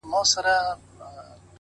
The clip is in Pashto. صبر بریا ته لاره هواروي’